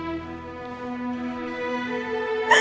kamu mau ke pos